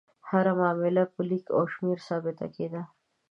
هره معامله په لیک او شمېر ثابته کېده.